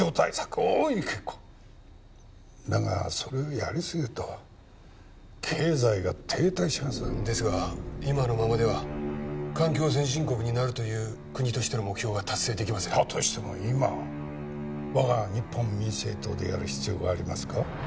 大いに結構だがそれをやりすぎると経済が停滞しますですが今のままでは環境先進国になるという国としての目標が達成できませんだとしても今我が日本民政党でやる必要がありますか？